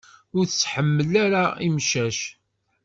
Ur tettḥamal ara imcac.